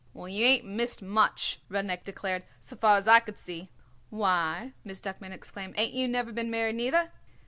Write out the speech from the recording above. "Well, you ain't missed much," Rudnik declared, "so far as I could see." "Why," Miss Duckman exclaimed, "ain't you never been married, neither?"